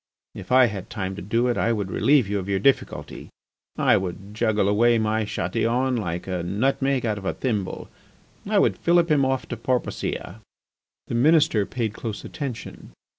If I had time to do it I would relieve you of your difficulty. I would juggle away my Chatillon like a nutmeg out of a thimble. I would fillip him off to Porpoisia." The Minister paid close attention.